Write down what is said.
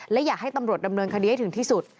และอยากให้ตำรวจดำเนินคดีให้ถึงที่สุด